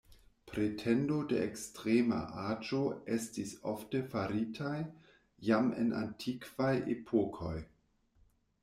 Pretendo de ekstrema aĝo estis ofte faritaj, jam en antikvaj epokoj.